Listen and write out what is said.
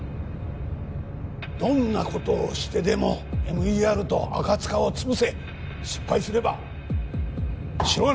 どんなことをしてでもＭＥＲと赤塚を潰せ失敗すれば白金！